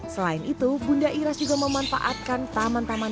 selain itu bunda iras juga memanfaatkan taman taman